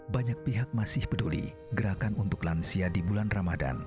banyak pihak masih peduli gerakan untuk lansia di bulan ramadan